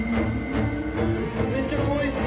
めっちゃ怖いっす！